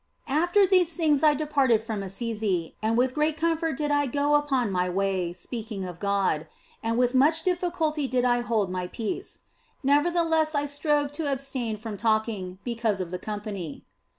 After these things I departed from Assisi, and with great comfort did I go upon my way, speaking of God. And with much difficulty did I hold my peace ; nevertheless I strove to abstain from talking, because of the company.